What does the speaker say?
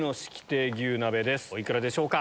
お幾らでしょうか？